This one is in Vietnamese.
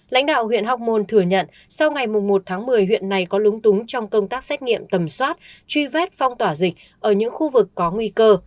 lãnh đạo huyện hóc môn thừa nhận sau ngày một tháng một mươi huyện này có lúng túng trong công tác xét nghiệm tầm soát truy vết phong tỏa dịch ở những khu vực có nguy cơ